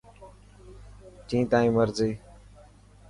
جين تائن مرضي.